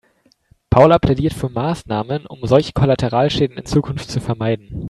Paula plädiert für Maßnahmen, um solche Kollateralschäden in Zukunft zu vermeiden.